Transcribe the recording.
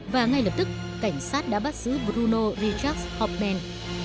và ngay lập tức cảnh sát đã bắt giữ bruno richard hauptmann